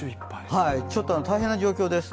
ちょっと大変な状況です。